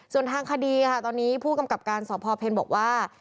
ส่วนทางคดีค่ะตอนนี้ผู้กำกับการสพเพลบอกว่า